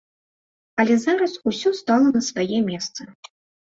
Але зараз усё стала на свае месцы.